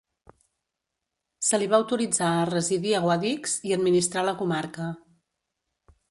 Se li va autoritzar a residir a Guadix i administrar la comarca.